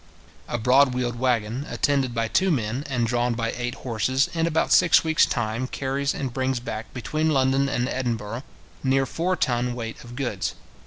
A broad wheeled waggon, attended by two men, and drawn by eight horses, in about six weeks time, carries and brings back between London and Edinburgh near four ton weight of goods.